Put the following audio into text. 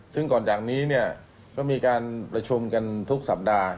ซึ่งก่อนจากนี้เนี่ยก็มีการประชุมกันทุกสัปดาห์